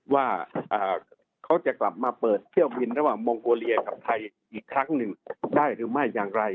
ว่าเขาจะกลับมาเปิดเที่ยวบินระหว่างมองโกเลียกับไทยอีกครั้งหนึ่งได้หรือไม่อย่างไร